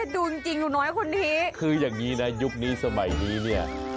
ดูจริงน้อยของนะคืออย่างงี้นะยุกษ์นี้สมัยนี้นี่